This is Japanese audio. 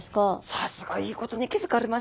さすがいいことに気付かれました。